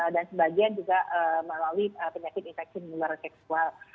dan sebagian juga melalui penyakit infeksi mular seksual